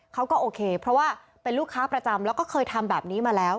เขาก็โอเคเพราะว่าเป็นลูกค้าประจำแล้วก็เคยทำแบบนี้มาแล้ว